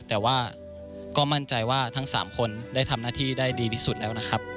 แต่ว่าก็มั่นใจว่าทั้ง๓คนได้ทำหน้าที่ได้ดีที่สุดแล้วนะครับ